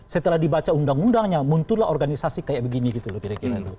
setelah dibaca undang undangnya muncullah organisasi kayak begini gitu loh kira kira gitu